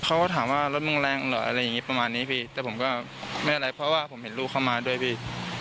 เขาก็ถามว่ารถมึงแรงเหรออะไรอย่างงี้ประมาณนี้พี่แต่ผมก็ไม่อะไรเพราะว่าผมเห็นลูกเข้ามาด้วยพี่